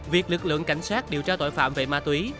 việc lực lượng cảnh sát điều tra tội phạm về ma túy